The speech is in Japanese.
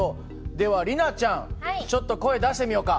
では里奈ちゃんちょっと声出してみようか。